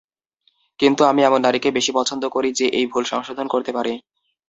কিন্তু, আমি এমন নারীকে বেশি পছন্দ করি যে এই ভুল সংশোধন করতে পারে।